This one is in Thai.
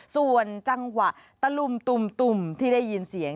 ส่วนจังหวะตะลุ่มตุ่มที่ได้ยินเสียง